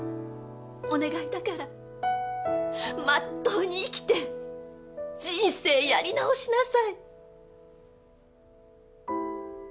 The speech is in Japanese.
お願いだからまっとうに生きて人生やり直しなさい。